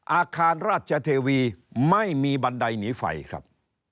อาคารราชเทวีไม่มีบันไดหนีไฟครับ